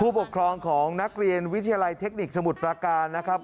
ปกครองของนักเรียนวิทยาลัยเทคนิคสมุทรประการนะครับ